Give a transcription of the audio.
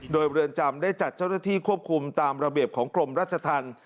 โดยเรือนจำได้จัดเจ้าหน้าที่ควบคุมตามระเบียบของกรมราชธรรม